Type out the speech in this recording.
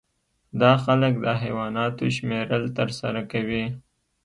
دا خلک د حیواناتو شمیرل ترسره کوي